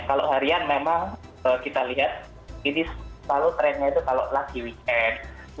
kalau harian memang kita lihat ini selalu trennya itu kalau lagi weekend